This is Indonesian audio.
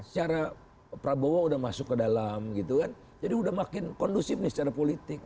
secara prabowo udah masuk ke dalam gitu kan jadi udah makin kondusif nih secara politik